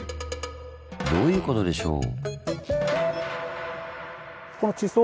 どういうことでしょう？